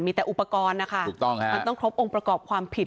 มีแต่อุปกรณ์นะคะถูกต้องฮะมันต้องครบองค์ประกอบความผิด